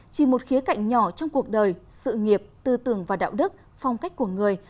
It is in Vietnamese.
chỉ một khía cạnh nhỏ trong cuộc đời sự nghiệp tư tưởng và đạo đức phong cách của người